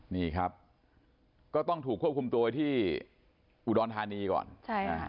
นี่ครับก็ต้องถูกควบคุมตัวที่อุดรธานีก่อนใช่อ่า